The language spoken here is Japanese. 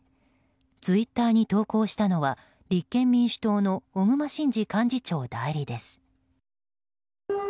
ツイッターに投稿したのは立憲民主党の小熊慎司幹事長代理です。